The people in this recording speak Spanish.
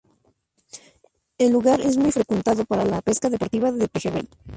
El lugar es muy frecuentado para la pesca deportiva de pejerrey.